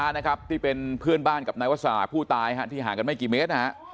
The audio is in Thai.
นะครับที่เป็นเพื่อนบ้านกับนายวัสราผู้ตายที่ห่างกันไม่กี่เมตรนะฮะ